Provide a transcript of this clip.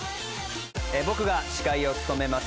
僕が司会を務めます